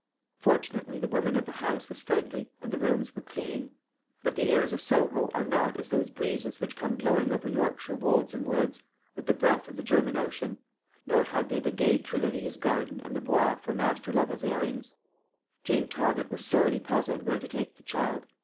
Fortunately the woman of the house was friendly, and the rooms were clean. But the airs of Soho are not as those breezes which come blowing over Yorkshire wolds and woods, with the breath of the German Ocean; nor had they the gay Tuileries garden and the Bois for Master Lovel's airings. Jane Target was sorely puzzled where to take the child.